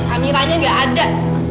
amiranya gak ada